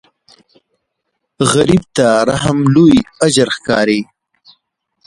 غریب ته رحم لوی اجر ښکاري